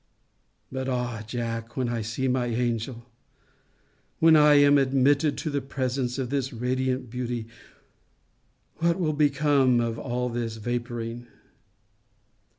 But ah! Jack, when I see my angel, when I am admitted to the presence of this radiant beauty, what will become of all this vapouring?